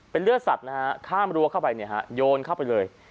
เป็นเลือดสัตว์นะฮะข้ามรั้วเข้าไปเนี่ยฮะโยนเข้าไปเลย